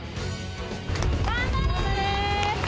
頑張れ。